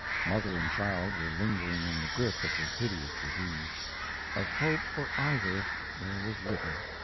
Mother and child were lingering in the grip of the hideous disease. Of hope for either there was little.